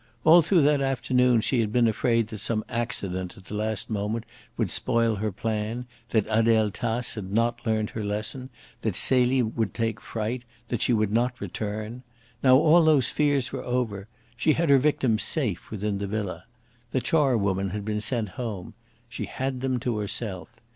All through that afternoon she had been afraid that some accident at the last moment would spoil her plan, that Adele Tace had not learned her lesson, that Celie would take fright, that she would not return. Now all those fears were over. She had her victims safe within the villa. The charwoman had been sent home. She had them to herself.